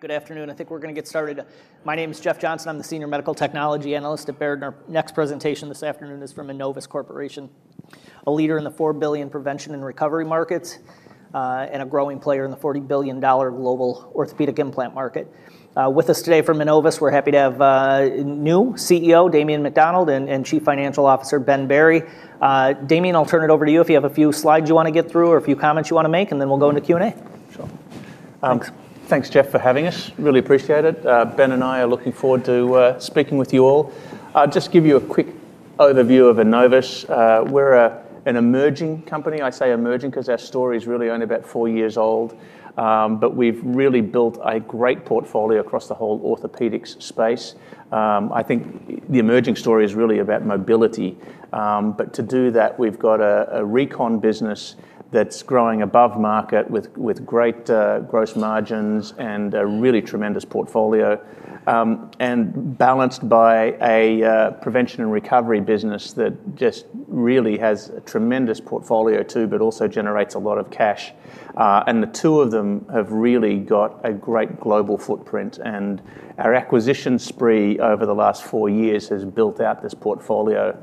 Good afternoon. I think we're going to get started. My name is Jeff Johnson. I'm the Senior Medical Technology Analyst at Baird, and our next presentation this afternoon is from Enovis Corporation, a leader in the $4 billion prevention and recovery markets, and a growing player in the $40 billion global orthopedic implant market. With us today from Enovis, we're happy to have new CEO, Damien McDonald, and Chief Financial Officer, Ben Berry. Damien, I'll turn it over to you if you have a few slides you want to get through or a few comments you want to make, and then we'll go into Q&A. Sure. Thanks, Jeff, for having us. Really appreciate it. Ben and I are looking forward to speaking with you all. Just to give you a quick overview of Enovis, we're an emerging company. I say emerging because our story is really only about four years old, but we've really built a great portfolio across the whole orthopedics space. I think the emerging story is really about mobility. To do that, we've got a recon business that's growing above market with great gross margins and a really tremendous portfolio, balanced by a prevention and recovery business that just really has a tremendous portfolio too, but also generates a lot of cash. The two of them have really got a great global footprint. Our acquisition spree over the last four years has built out this portfolio.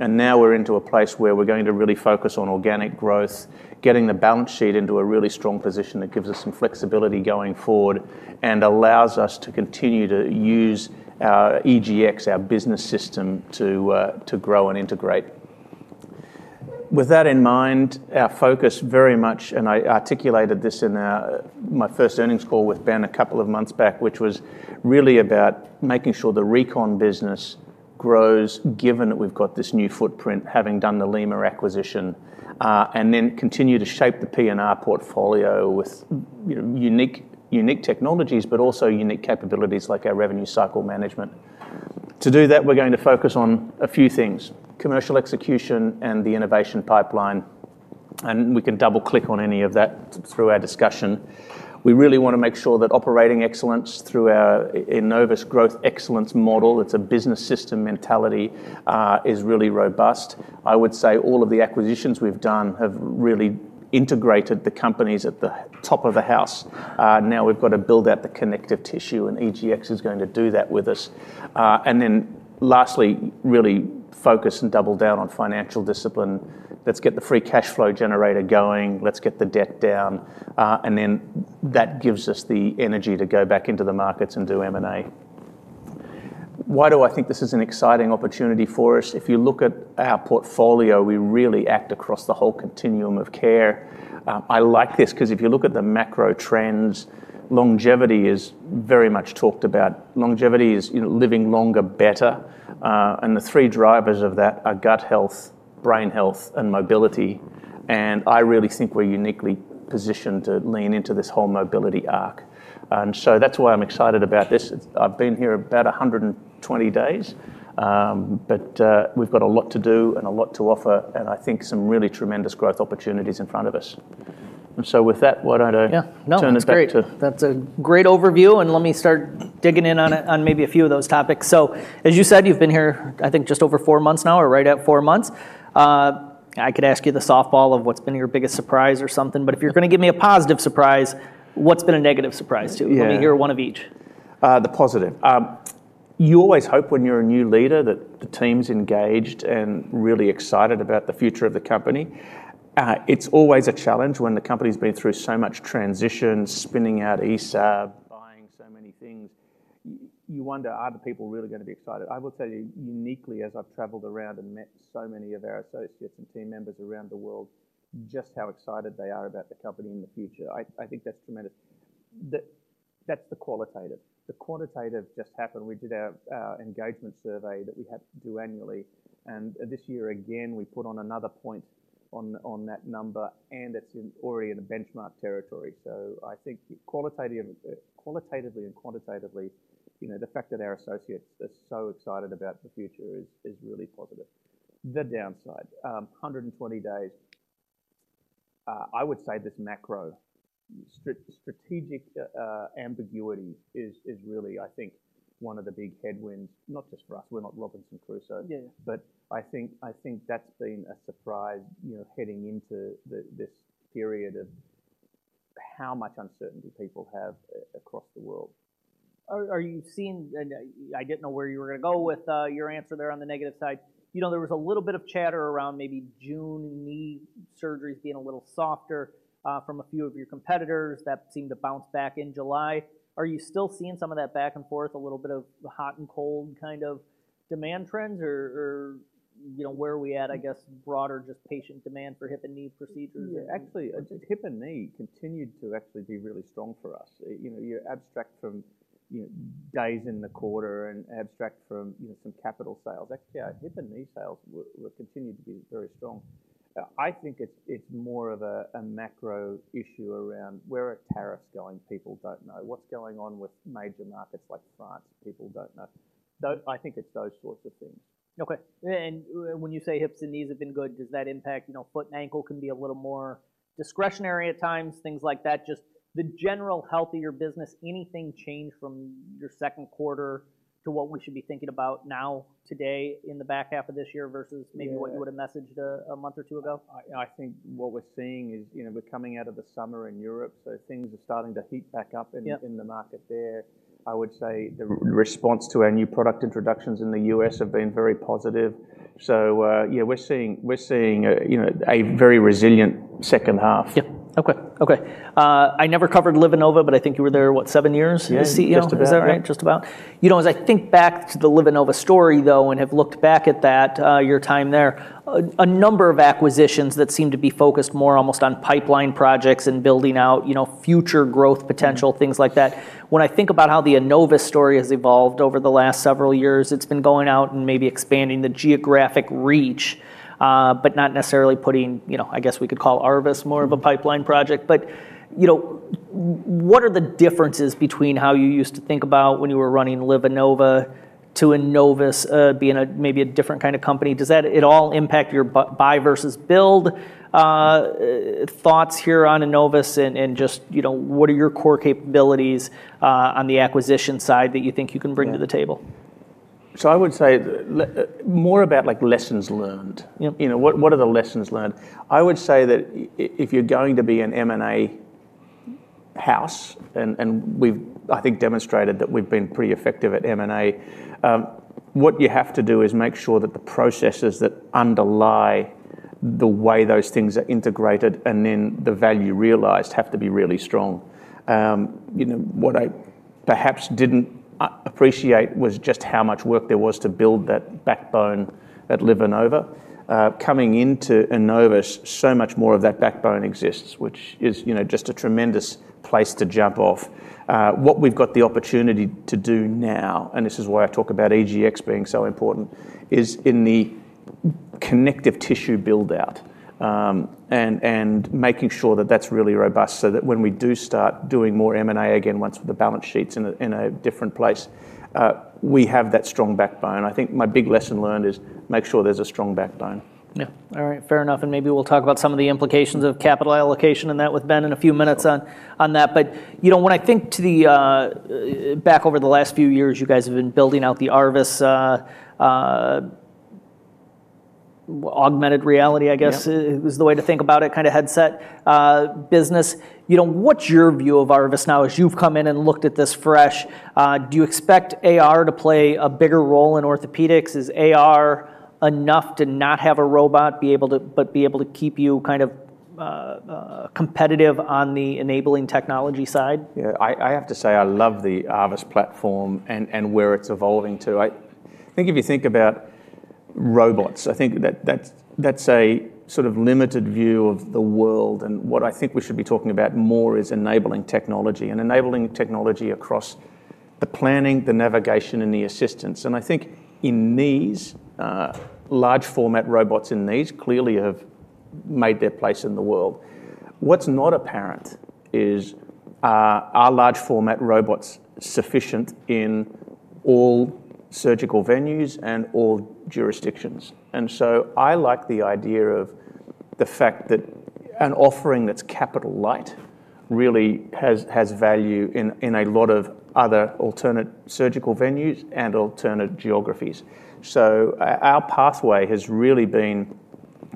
Now we're into a place where we're going to really focus on organic growth, getting the balance sheet into a really strong position that gives us some flexibility going forward and allows us to continue to use our EGX, our business system, to grow and integrate. With that in mind, our focus very much, and I articulated this in my first earnings call with Ben a couple of months back, which was really about making sure the recon business grows, given that we've got this new footprint, having done the LEMA acquisition, and then continue to shape the P&R portfolio with unique technologies, but also unique capabilities like our revenue cycle management. To do that, we're going to focus on a few things: commercial execution and the innovation pipeline. We can double-click on any of that through our discussion. We really want to make sure that operating excellence through our Enovis growth excellence model, it's a business system mentality, is really robust. I would say all of the acquisitions we've done have really integrated the companies at the top of the house. Now we've got to build out the connective tissue, and EGX is going to do that with us. Lastly, really focus and double down on financial discipline. Let's get the free cash flow generator going. Let's get the debt down. That gives us the energy to go back into the markets and do M&A. Why do I think this is an exciting opportunity for us? If you look at our portfolio, we really act across the whole continuum of care. I like this because if you look at the macro trends, longevity is very much talked about. Longevity is, you know, living longer, better. The three drivers of that are gut health, brain health, and mobility. I really think we're uniquely positioned to lean into this whole mobility arc. That is why I'm excited about this. I've been here about 120 days, but we've got a lot to do and a lot to offer. I think some really tremendous growth opportunities are in front of us. With that, why don't I turn this back to... That's a great overview. Let me start digging in on maybe a few of those topics. As you said, you've been here, I think, just over four months now, or right at four months. I could ask you the softball of what's been your biggest surprise or something, but if you're going to give me a positive surprise, what's been a negative surprise to you? Let me hear one of each. The positive. You always hope when you're a new leader that the team's engaged and really excited about the future of the company. It's always a challenge when the company's been through so much transition, spinning out ESAB, buying so many things. You wonder, are the people really going to be excited? I will tell you uniquely, as I've traveled around and met so many of our associates and team members around the world, just how excited they are about the company and the future. I think that's tremendous. That's the qualitative. The quantitative just happened. We did our engagement survey that we had to do annually. This year again, we put on another point on that number, and it's already in a benchmark territory. I think qualitatively and quantitatively, you know, the fact that our associates are so excited about the future is really positive. The downside, 120 days, I would say this macro strategic ambiguity is really, I think, one of the big headwinds, not just for us. We're not Robinson Crusoe, but I think that's been a surprise, heading into this period of how much uncertainty people have across the world. Are you seeing, and I didn't know where you were going to go with your answer there on the negative side, there was a little bit of chatter around maybe June knee surgeries being a little softer from a few of your competitors that seemed to bounce back in July. Are you still seeing some of that back and forth, a little bit of the hot and cold kind of demand trends, or where are we at, I guess, broader just patient demand for hip and knee procedures? Yeah, actually, hip and knee continued to actually be really strong for us. You know, you abstract from days in the quarter and abstract from some capital sales. Yeah, hip and knee sales will continue to be very strong. I think it's more of a macro issue around where are tariffs going? People don't know. What's going on with major markets like France? People don't know. I think it's those sorts of things. Okay. When you say hips and knees have been good, does that impact, you know, foot and ankle can be a little more discretionary at times, things like that? Just the general health of your business, anything changed from your second quarter to what we should be thinking about now, today, in the back half of this year versus maybe what you would have messaged a month or two ago? I think what we're seeing is we're coming out of the summer in Europe, so things are starting to heat back up in the market there. I would say the response to our new product introductions in the U.S. have been very positive. We're seeing a very resilient second half. Yeah. Okay. Okay. I never covered LivaNova, but I think you were there, what, seven years as CEO? Yeah, just about. Is that right? Just about. As I think back to the LivaNova story, though, and have looked back at that, your time there, a number of acquisitions that seem to be focused more almost on pipeline projects and building out future growth potential, things like that. When I think about how the Enovis story has evolved over the last several years, it's been going out and maybe expanding the geographic reach, but not necessarily putting, I guess we could call Arvis® more of a pipeline project. What are the differences between how you used to think about when you were running LivaNova to Enovis being maybe a different kind of company? Does that at all impact your buy versus build thoughts here on Enovis and just, you know, what are your core capabilities on the acquisition side that you think you can bring to the table? I would say more about lessons learned. What are the lessons learned? I would say that if you're going to be an M&A house, and we've, I think, demonstrated that we've been pretty effective at M&A, what you have to do is make sure that the processes that underlie the way those things are integrated and then the value realized have to be really strong. What I perhaps didn't appreciate was just how much work there was to build that backbone at LivaNova. Coming into Enovis, so much more of that backbone exists, which is just a tremendous place to jump off. What we've got the opportunity to do now, and this is why I talk about EGX being so important, is in the connective tissue build-out and making sure that that's really robust so that when we do start doing more M&A again, once the balance sheet's in a different place, we have that strong backbone. I think my big lesson learned is make sure there's a strong backbone. Yeah. All right. Fair enough. Maybe we'll talk about some of the implications of capital allocation and that with Ben in a few minutes on that. You know, when I think back over the last few years, you guys have been building out the ARVIS® Augmented Reality System, I guess it was the way to think about it, kind of headset business. You know, what's your view of ARVIS now as you've come in and looked at this fresh? Do you expect AR to play a bigger role in orthopedics? Is AR enough to not have a robot, but be able to keep you kind of competitive on the enabling technology side? Yeah, I have to say I love the Arvis® Augmented Reality System platform and where it's evolving to. I think if you think about robots, I think that that's a sort of limited view of the world. What I think we should be talking about more is enabling technology and enabling technology across the planning, the navigation, and the assistance. I think in knees, large format robots in knees clearly have made their place in the world. What's not apparent is are large format robots sufficient in all surgical venues and all jurisdictions? I like the idea of the fact that an offering that's capital light really has value in a lot of other alternate surgical venues and alternate geographies. Our pathway has really been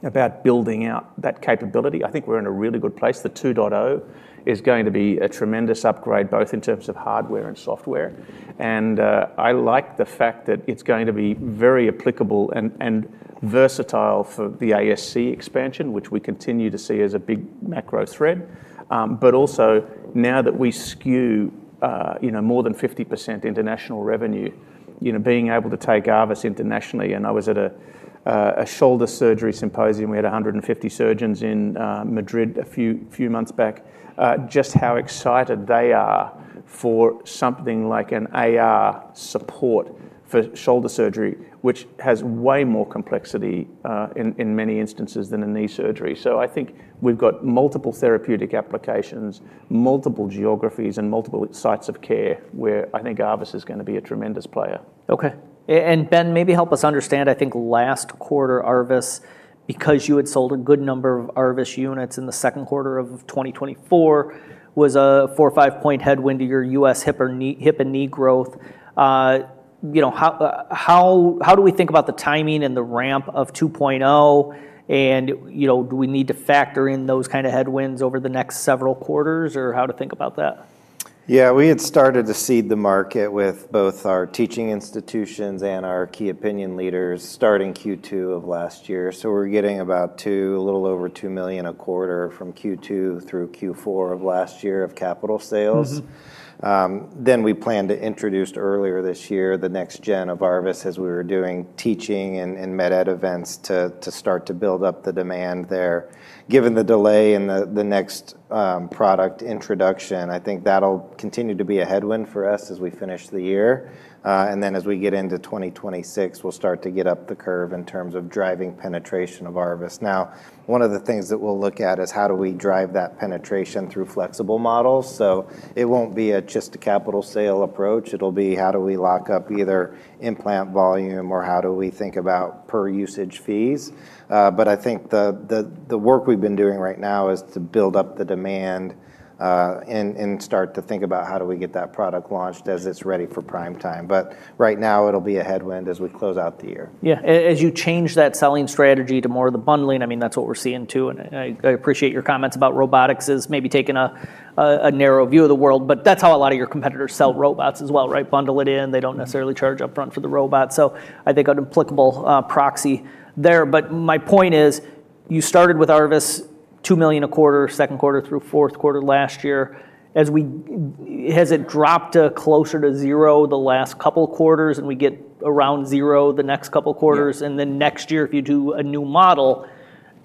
about building out that capability. I think we're in a really good place. The 2.0 is going to be a tremendous upgrade both in terms of hardware and software. I like the fact that it's going to be very applicable and versatile for the ASC expansion, which we continue to see as a big macro growth driver. Also, now that we skew, you know, more than 50% international revenue, you know, being able to take Arvis® internationally. I was at a shoulder surgery symposium. We had 150 surgeons in Madrid a few months back, just how excited they are for something like an AR support for shoulder surgery, which has way more complexity in many instances than a knee surgery. I think we've got multiple therapeutic applications, multiple geographies, and multiple sites of care where I think Arvis® is going to be a tremendous player. Okay. Ben, maybe help us understand, I think last quarter Arvis, because you had sold a good number of Arvis units in the second quarter of 2024, was a four or five point headwind to your U.S. hip and knee growth. How do we think about the timing and the ramp of 2.0? Do we need to factor in those kind of headwinds over the next several quarters or how to think about that? Yeah, we had started to seed the market with both our teaching institutions and our key opinion leaders starting Q2 of last year. We're getting about $2 million, a little over $2 million a quarter from Q2 through Q4 of last year of capital sales. We planned to introduce earlier this year the next gen of ARVIS® Augmented Reality System as we were doing teaching and med ed events to start to build up the demand there. Given the delay in the next product introduction, I think that'll continue to be a headwind for us as we finish the year. As we get into 2026, we'll start to get up the curve in terms of driving penetration of ARVIS. One of the things that we'll look at is how do we drive that penetration through flexible models. It won't be just a capital sale approach. It'll be how do we lock up either implant volume or how do we think about per usage fees. I think the work we've been doing right now is to build up the demand and start to think about how do we get that product launched as it's ready for prime time. Right now, it'll be a headwind as we close out the year. Yeah. As you change that selling strategy to more of the bundling, that's what we're seeing too. I appreciate your comments about robotics as maybe taking a narrow view of the world, but that's how a lot of your competitors sell robots as well, right? Bundle it in. They don't necessarily charge upfront for the robot. I think an applicable proxy there. My point is you started with Arvis® $2 million a quarter, second quarter through fourth quarter last year. Has it dropped closer to zero the last couple of quarters and we get around zero the next couple of quarters? Next year, if you do a new model,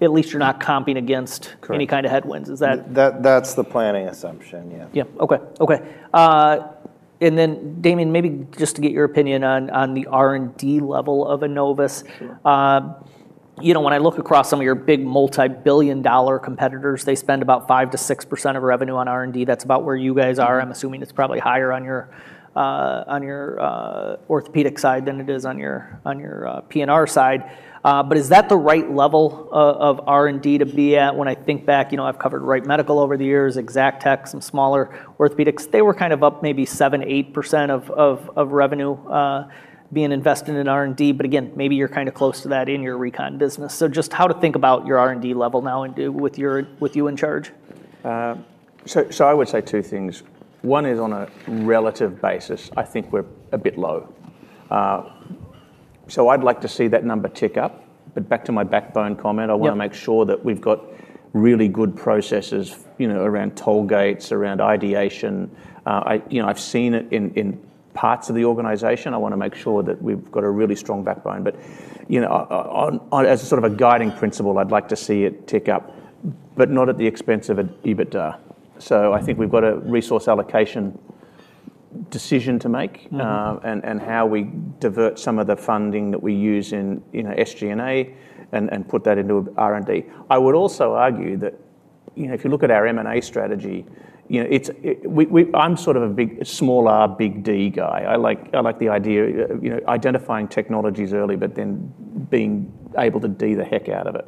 at least you're not comping against any kind of headwinds. Is that... That's the planning assumption. Okay. Okay. Damien, maybe just to get your opinion on the R&D level of Enovis. When I look across some of your big multi-billion dollar competitors, they spend about 5% to 6% of revenue on R&D. That's about where you guys are. I'm assuming it's probably higher on your orthopedic side than it is on your P&R side. Is that the right level of R&D to be at? When I think back, I've covered Wright Medical over the years, Exactech, some smaller orthopedics. They were kind of up maybe 7% to 8% of revenue being invested in R&D. Maybe you're kind of close to that in your recon business. How should we think about your R&D level now with you in charge? I would say two things. One is on a relative basis, I think we're a bit low. I'd like to see that number tick up. Back to my backbone comment, I want to make sure that we've got really good processes around toll gates, around ideation. I've seen it in parts of the organization. I want to make sure that we've got a really strong backbone. As a sort of a guiding principle, I'd like to see it tick up, but not at the expense of EBITDA. I think we've got a resource allocation decision to make and how we divert some of the funding that we use in SG&A and put that into R&D. I would also argue that if you look at our M&A strategy, it's, I'm sort of a big, small R, big D guy. I like the idea of identifying technologies early, but then being able to D the heck out of it.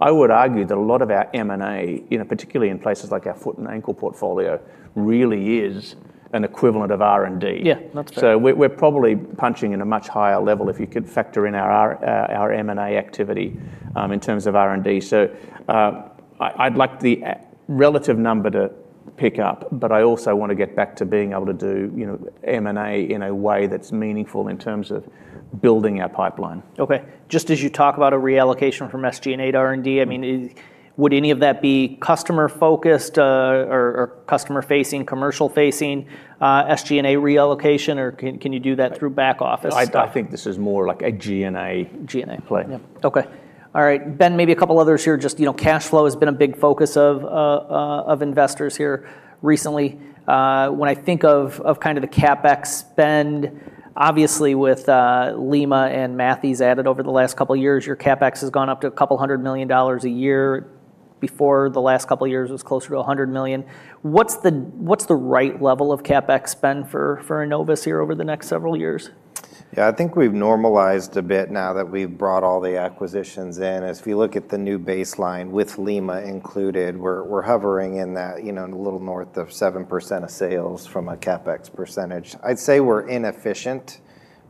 I would argue that a lot of our M&A, particularly in places like our foot and ankle portfolio, really is an equivalent of R&D. Yeah, that's right. We're probably punching in a much higher level if you could factor in our M&A activity in terms of R&D. I'd like the relative number to pick up, but I also want to get back to being able to do M&A in a way that's meaningful in terms of building our pipeline. Okay. Just as you talk about a reallocation from SG&A to R&D, would any of that be customer-focused or customer-facing, commercial-facing SG&A reallocation, or can you do that through back office? I think this is more like a G&A play. Okay. All right. Ben, maybe a couple of others here, just, you know, cash flow has been a big focus of investors here recently. When I think of kind of the CapEx spend, obviously with LEMA and Matthew Trerotola's added over the last couple of years, your CapEx has gone up to a couple hundred million dollars a year. Before the last couple of years, it was closer to $100 million. What's the right level of CapEx spend for Enovis here over the next several years? Yeah, I think we've normalized a bit now that we've brought all the acquisitions in. If you look at the new baseline with LEMA included, we're hovering in that, you know, a little north of 7% of sales from a CapEx percentage. I'd say we're inefficient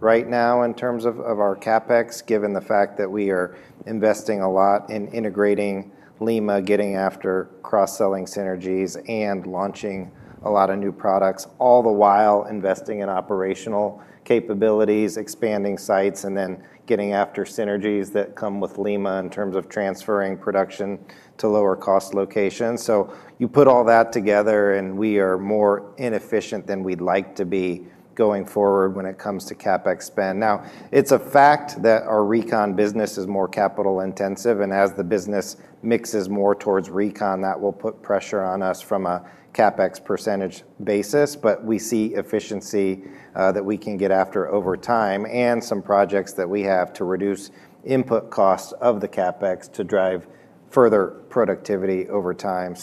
right now in terms of our CapEx, given the fact that we are investing a lot in integrating LEMA, getting after cross-selling synergies, and launching a lot of new products, all the while investing in operational capabilities, expanding sites, and then getting after synergies that come with LEMA in terms of transferring production to lower cost locations. You put all that together and we are more inefficient than we'd like to be going forward when it comes to CapEx spend. Now, it's a fact that our recon business is more capital intensive, and as the business mixes more towards recon, that will put pressure on us from a CapEx percentage basis. We see efficiency that we can get after over time and some projects that we have to reduce input costs of the CapEx to drive further productivity over time.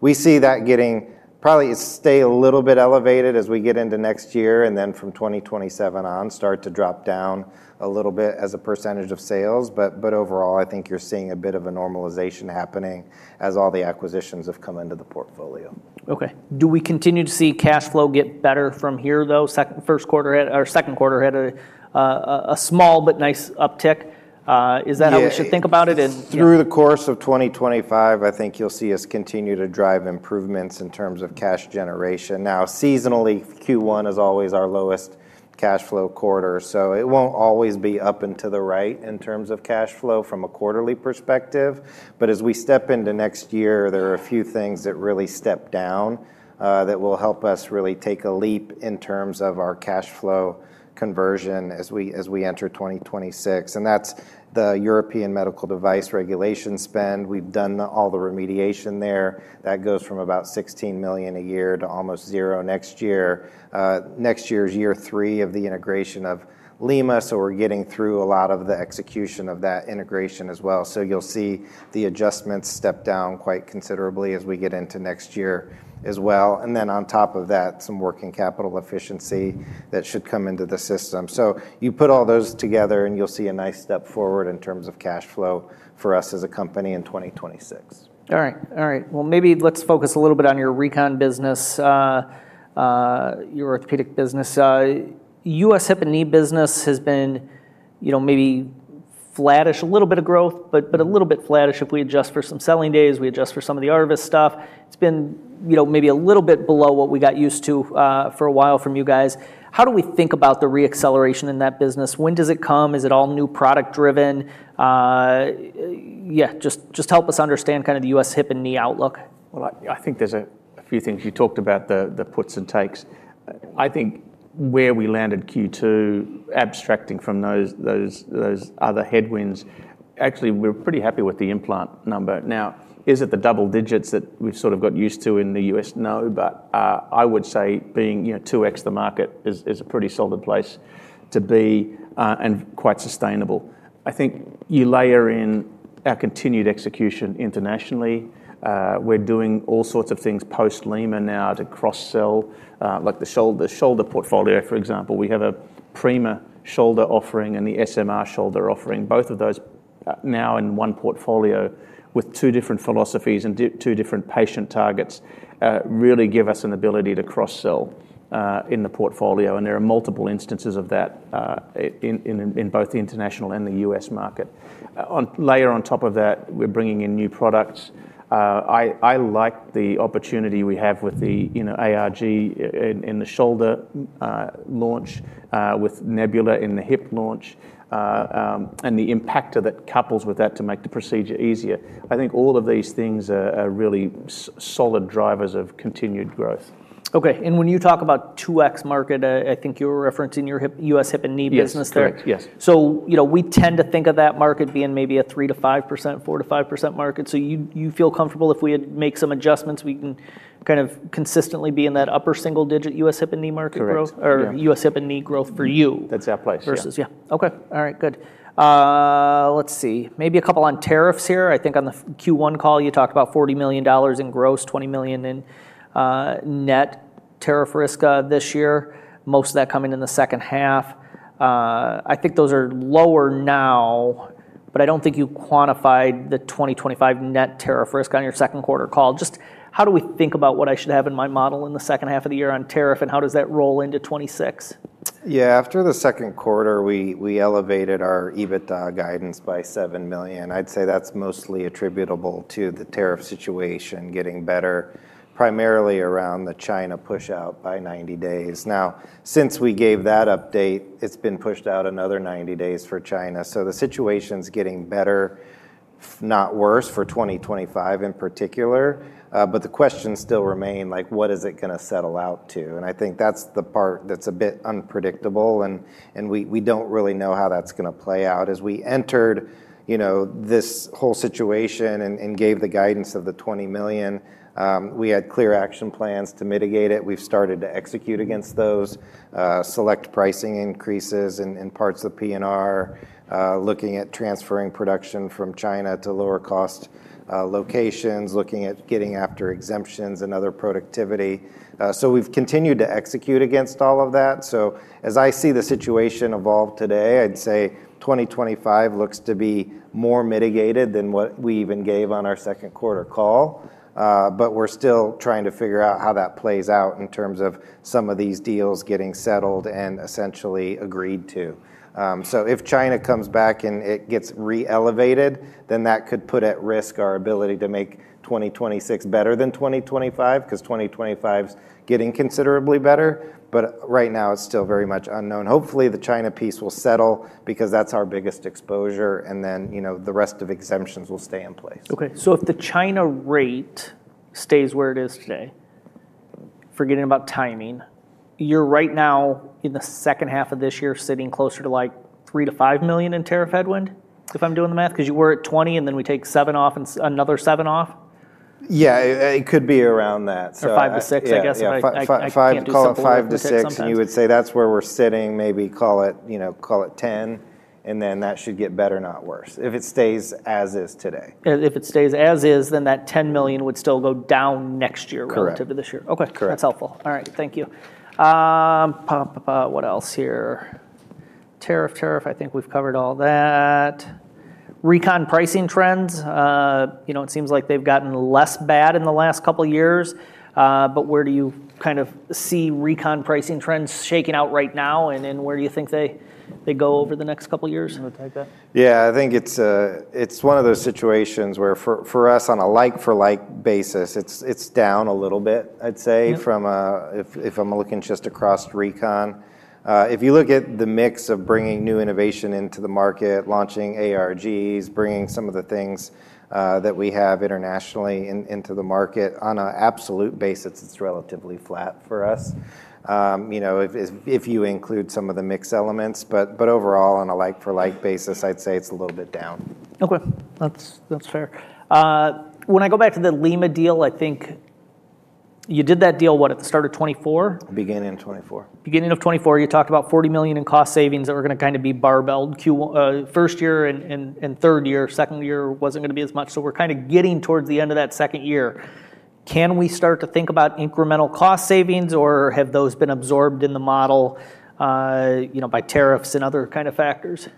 We see that getting probably stay a little bit elevated as we get into next year, and then from 2027 on, start to drop down a little bit as a percentage of sales. Overall, I think you're seeing a bit of a normalization happening as all the acquisitions have come into the portfolio. Okay. Do we continue to see cash flow get better from here though? First quarter or second quarter had a small but nice uptick. Is that how we should think about it? Through the course of 2025, I think you'll see us continue to drive improvements in terms of cash generation. Now, seasonally, Q1 is always our lowest cash flow quarter. It won't always be up and to the right in terms of cash flow from a quarterly perspective. As we step into next year, there are a few things that really step down that will help us really take a leap in terms of our cash flow conversion as we enter 2026. That's the European Medical Device Regulation spend. We've done all the remediation there. That goes from about $16 million a year to almost zero next year. Next year is year three of the integration of LEMA. We're getting through a lot of the execution of that integration as well. You'll see the adjustments step down quite considerably as we get into next year as well. On top of that, some working capital efficiency should come into the system. You put all those together and you'll see a nice step forward in terms of cash flow for us as a company in 2026. All right. Maybe let's focus a little bit on your recon business, your orthopedic business. U.S. hip and knee business has been, you know, maybe flattish, a little bit of growth, but a little bit flattish if we adjust for some selling days, we adjust for some of the Arvis® stuff. It's been, you know, maybe a little bit below what we got used to for a while from you guys. How do we think about the reacceleration in that business? When does it come? Is it all new product driven? Yeah, just help us understand kind of the U.S. hip and knee outlook. I think there's a few things you talked about, the puts and takes. I think where we landed Q2, abstracting from those other headwinds, actually we're pretty happy with the implant number. Now, is it the double digits that we've sort of got used to in the U.S.? No, but I would say being, you know, 2X the market is a pretty solid place to be and quite sustainable. I think you layer in our continued execution internationally. We're doing all sorts of things post-LEMA now to cross-sell like the shoulder portfolio. For example, we have a Prima shoulder offering and the SMR shoulder offering. Both of those now in one portfolio with two different philosophies and two different patient targets really give us an ability to cross-sell in the portfolio. There are multiple instances of that in both the international and the U.S. market. Layer on top of that, we're bringing in new products. I like the opportunity we have with the, you know, ARG in the shoulder launch, with Nebula in the hip launch, and the impactor that couples with that to make the procedure easier. I think all of these things are really solid drivers of continued growth. Okay. When you talk about 2X market, I think you're referencing your U.S. hip and knee business there. Yes. We tend to think of that market being maybe a 3% to 5%, 4% to 5% market. You feel comfortable if we had made some adjustments, we can kind of consistently be in that upper single digit U.S. hip and knee market growth or U.S. hip and knee growth for you. That's our place. Okay. All right. Good. Let's see. Maybe a couple on tariffs here. I think on the Q1 call, you talked about $40 million in gross, $20 million in net tariff risk this year. Most of that coming in the second half. I think those are lower now, but I don't think you quantified the 2025 net tariff risk on your second quarter call. Just how do we think about what I should have in my model in the second half of the year on tariff and how does that roll into 2026? Yeah, after the second quarter, we elevated our EBITDA guidance by $7 million. I'd say that's mostly attributable to the tariff situation getting better, primarily around the China push out by 90 days. Now, since we gave that update, it's been pushed out another 90 days for China. The situation's getting better, not worse for 2025 in particular. The questions still remain, like, what is it going to settle out to? I think that's the part that's a bit unpredictable. We don't really know how that's going to play out. As we entered this whole situation and gave the guidance of the $20 million, we had clear action plans to mitigate it. We've started to execute against those, select pricing increases in parts of P&R, looking at transferring production from China to lower cost locations, looking at getting after exemptions and other productivity. We've continued to execute against all of that. As I see the situation evolve today, I'd say 2025 looks to be more mitigated than what we even gave on our second quarter call. We're still trying to figure out how that plays out in terms of some of these deals getting settled and essentially agreed to. If China comes back and it gets re-elevated, then that could put at risk our ability to make 2026 better than 2025 because 2025 is getting considerably better. Right now, it's still very much unknown. Hopefully, the China piece will settle because that's our biggest exposure. The rest of exemptions will stay in place. Okay. If the China rate stays where it is today, forgetting about timing, you're right now in the second half of this year sitting closer to $3 million to $5 million in tariff headwind if I'm doing the math because you were at $20 million and then we take $7 million off and another $7 million off. Yeah, it could be around that. Or five to six, I guess. If I call it five to six, you would say that's where we're sitting, maybe call it, you know, call it 10. That should get better, not worse, if it stays as is today. If it stays as is, then that $10 million would still go down next year, relative to this year. Correct. Okay. That's helpful. All right. Thank you. What else here? Tariff, tariff, I think we've covered all that. Recon pricing trends, you know, it seems like they've gotten less bad in the last couple of years. Where do you kind of see recon pricing trends shaking out right now? Where do you think they go over the next couple of years? I think it's one of those situations where for us on a like-for-like basis, it's down a little bit, I'd say, from if I'm looking just across recon. If you look at the mix of bringing new innovation into the market, launching ARG, bringing some of the things that we have internationally into the market, on an absolute basis, it's relatively flat for us. If you include some of the mixed elements, but overall, on a like-for-like basis, I'd say it's a little bit down. Okay. That's fair. When I go back to the LEMA deal, I think you did that deal, what, at the start of 2024? Beginning of 2024. Beginning of 2024, you talked about $40 million in cost savings that were going to kind of be barbelled first year and third year. Second year wasn't going to be as much. We're kind of getting towards the end of that second year. Can we start to think about incremental cost savings or have those been absorbed in the model, you know, by tariffs and other kind of factors?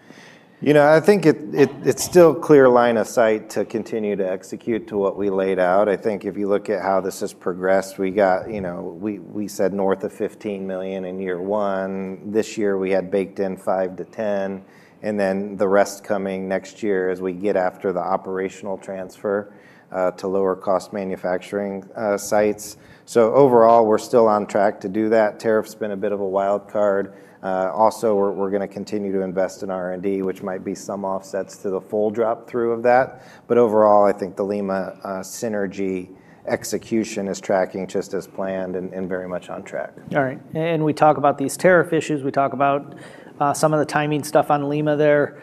I think it's still a clear line of sight to continue to execute to what we laid out. I think if you look at how this has progressed, we got, you know, we said north of $15 million in year one. This year we had baked in $5 to $10 million, and then the rest coming next year as we get after the operational transfer to lower cost manufacturing sites. Overall, we're still on track to do that. Tariff's been a bit of a wild card. We're going to continue to invest in R&D, which might be some offsets to the full drop-through of that. Overall, I think the LEMA synergy execution is tracking just as planned and very much on track. All right. We talk about these tariff issues. We talk about some of the timing stuff on LEMA there.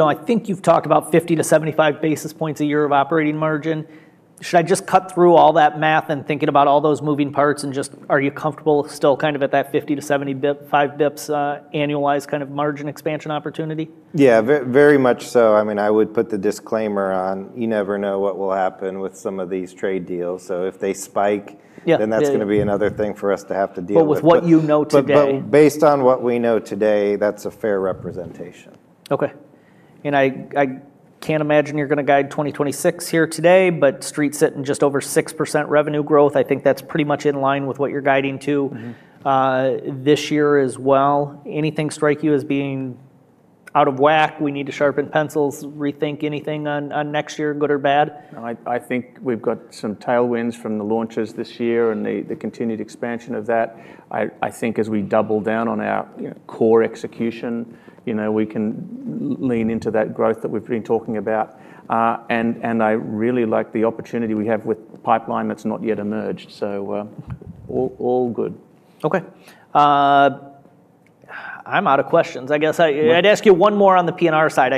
I think you've talked about 50 to 75 basis points a year of operating margin. Should I just cut through all that math and thinking about all those moving parts, and just are you comfortable still kind of at that 50 to 75 basis points annualized kind of margin expansion opportunity? Yeah, very much so. I mean, I would put the disclaimer on you never know what will happen with some of these trade deals. If they spike, that's going to be another thing for us to have to deal with. With what you know today. Based on what we know today, that's a fair representation. Okay. I can't imagine you're going to guide 2026 here today, but street's sitting just over 6% revenue growth. I think that's pretty much in line with what you're guiding to this year as well. Anything strike you as being out of whack? We need to sharpen pencils, rethink anything on next year, good or bad? No, I think we've got some tailwinds from the launches this year and the continued expansion of that. I think as we double down on our core execution, we can lean into that growth that we've been talking about. I really like the opportunity we have with the pipeline that's not yet emerged. All good. Okay. I'm out of questions. I guess I'd ask you one more on the P&R side.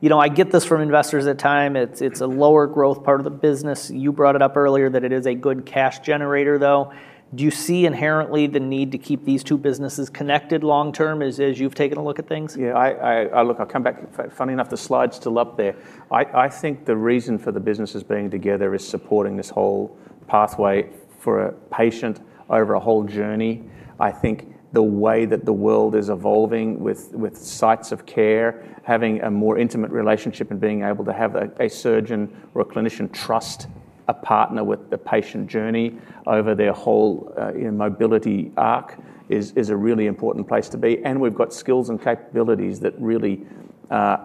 You know, I get this from investors at times. It's a lower growth part of the business. You brought it up earlier that it is a good cash generator, though. Do you see inherently the need to keep these two businesses connected long term as you've taken a look at things? Yeah, I look, I'll come back. Funny enough, the slide's still up there. I think the reason for the businesses being together is supporting this whole pathway for a patient over a whole journey. I think the way that the world is evolving with sites of care, having a more intimate relationship and being able to have a surgeon or a clinician trust a partner with the patient journey over their whole mobility arc is a really important place to be. We've got skills and capabilities that really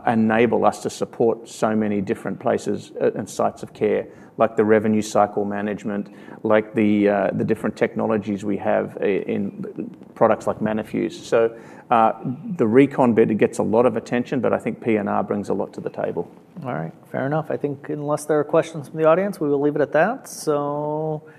enable us to support so many different places and sites of care, like the revenue cycle management, like the different technologies we have in products like Manifuse. The recon bit gets a lot of attention, but I think P&R brings a lot to the table. All right. Fair enough. I think unless there are questions from the audience, we will leave it at that. Good.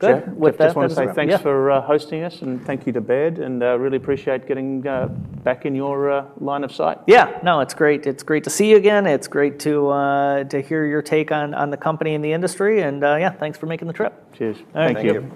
With that, I'd say thanks for hosting us and thank you to Baird. I really appreciate getting back in your line of sight. Yeah, no, it's great. It's great to see you again. It's great to hear your take on the company and the industry. Yeah, thanks for making the trip. Cheers. Thank you.